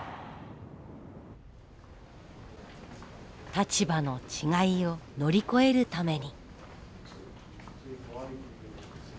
立場の違いを乗り越えるために。